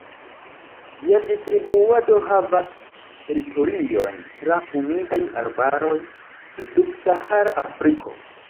Ĝia distribuado havas teritoriojn tra humidaj arbaroj de subsahara Afriko.